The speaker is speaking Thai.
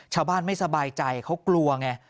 ชาวบ้านไม่สบายใจเขากลัวไง